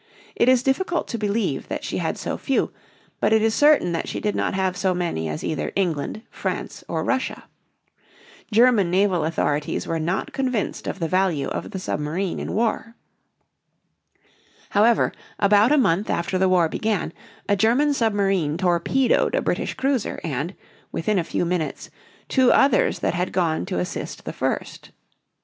It is difficult to believe that she had so few, but it is certain that she did not have so many as either England, France, or Russia. German naval authorities were not convinced of the value of the submarine in war. However, about a month after the war began, a German submarine torpedoed a British cruiser, and, within a few minutes, two others that had gone to assist the first.